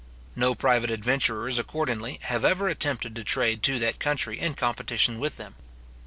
No private adventurers, accordingly, have ever attempted to trade to that country in competition with them.